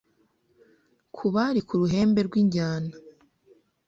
mu bari ku ruhembe rw’injyana